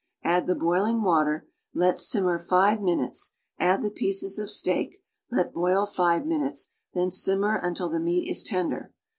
Add the boiling water, let sininier five minutes, add the pieces of steak; let boil five minutes, then siinmcr until the meat is tender.